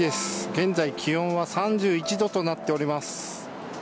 現在、気温は３１度となっております。